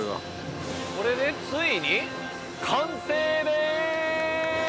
これでついに完成です！